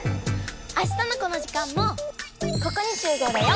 あしたのこの時間もここにしゅうごうだよ！